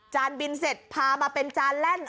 บินเสร็จพามาเป็นจานแล่น